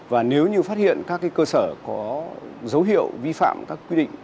và nếu như phát hiện các cơ sở có dấu hiệu vi phạm các quy định